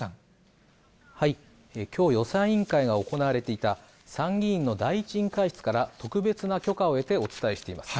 きょう、予算委員会が行われていた参議院の第１委員会室から、特別な許可を得てお伝えしています。